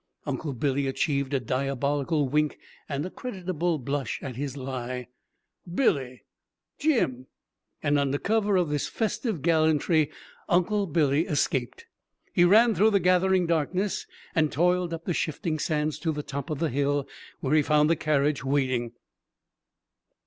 Uncle Billy achieved a diabolical wink and a creditable blush at his lie. "Billy!" "Jim!" And under cover of this festive gallantry Uncle Billy escaped. He ran through the gathering darkness, and toiled up the shifting sands to the top of the hill, where he found the carriage waiting.